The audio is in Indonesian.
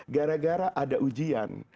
gara gara ada ujian